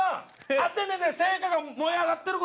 アテネで聖火が燃え上がってると。